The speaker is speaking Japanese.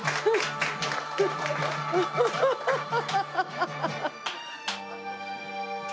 ハハハハ。